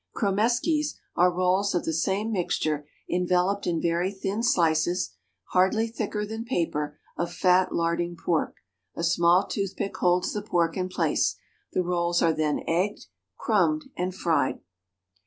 Kromeskies are rolls of the same mixture enveloped in very thin slices (hardly thicker than paper) of fat larding pork; a small toothpick holds the pork in place. The rolls are then egged, crumbed, and fried.